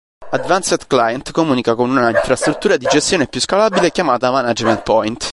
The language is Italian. Advanced Client comunica con una infrastruttura di gestione più scalabile, chiamata Management Point.